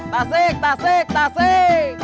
tasik tasik tasik